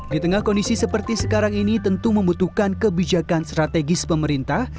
di tengah kondisi seperti sekarang ini tentu membutuhkan kebijakan strategis pemerintah